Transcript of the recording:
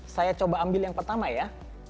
saya coba ambil yang pertama ya